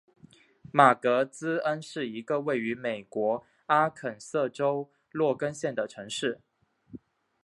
马格兹恩是一个位于美国阿肯色州洛根县的城市。